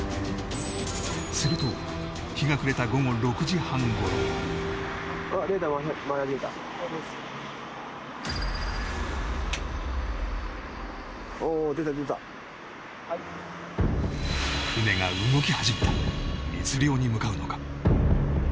すると日が暮れた午後６時半ごろ船が動き始めた密漁に向かうのか？